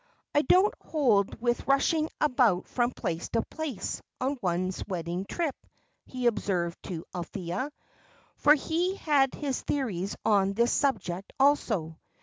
"I don't hold with rushing about from place to place, on one's wedding trip," he observed to Althea for he had his theories on this subject also.